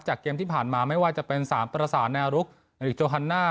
เกมที่ผ่านมาไม่ว่าจะเป็น๓ประสานแนวรุกเอริกโจฮันน่า